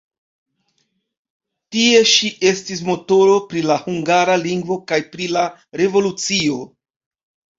Tie ŝi estis motoro pri la hungara lingvo kaj pri la revolucio.